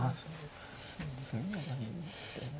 詰みはないんだよね。